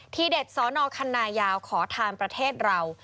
เด็ดสอนอคันนายาวขอทานประเทศเรา